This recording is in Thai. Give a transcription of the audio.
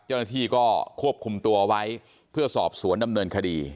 เจ้าหน้าที่ก็ควบคุมตัวไว้เพื่อสอบสวนดำเนินคดี